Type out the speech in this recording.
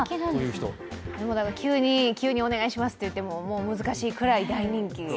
急にお願いしますといってももう難しいくらい大人気。